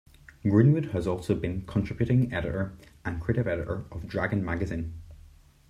Greenwood has also been contributing editor and creative editor of "Dragon" magazine.